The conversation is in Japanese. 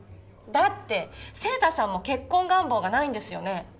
だって晴太さんも結婚願望がないんですよね？